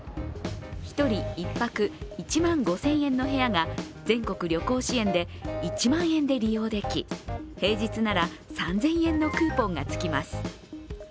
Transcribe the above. １人１泊１万５０００円の部屋が全国旅行支援で１万円で利用でき平日なら３０００円のクーポンがつきます。